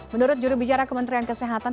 menurut juru bicara kementerian kesehatan